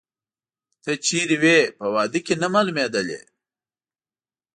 ته چیري وې، په واده کې نه مالومېدلې؟